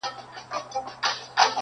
بس لکه تندر پر مځکه لوېږې!.